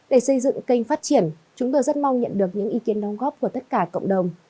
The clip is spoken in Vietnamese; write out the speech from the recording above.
để xây dựng kênh phát triển chúng tôi rất mong nhận được những ý kiến đóng góp của tất cả cộng đồng